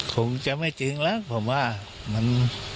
คงจะไม่จริงแล้วผมว่ามัน